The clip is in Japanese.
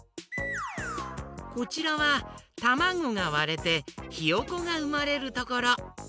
こちらはたまごがわれてヒヨコがうまれるところ。